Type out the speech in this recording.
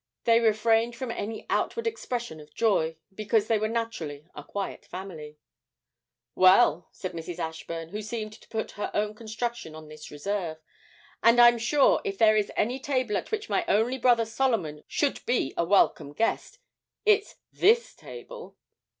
They refrained from any outward expression of joy, because they were naturally a quiet family. 'Well,' said Mrs. Ashburn, who seemed to put her own construction on this reserve, 'and I'm sure if there is any table at which my only brother Solomon should be a welcome guest, it's this table.'